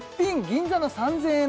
銀座の３０００円